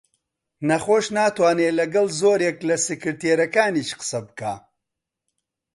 نەخۆش ناتوانێ لەگەڵ زۆرێک لە سکرتێرەکانیش قسە بکا